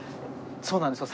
そうなんですよ